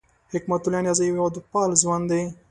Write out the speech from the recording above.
حکمت الله نیازی یو هېواد پال ځوان دی